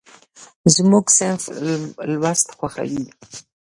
زموږ صنف لوست خوښوي.